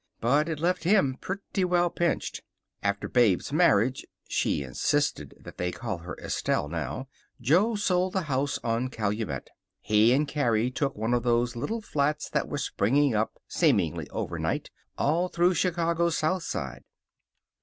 But it left him pretty well pinched. After Babe's marriage (she insisted that they call her Estelle now) Jo sold the house on Calumet. He and Carrie took one of those little flats that were springing up, seemingly overnight, all through Chicago's South Side.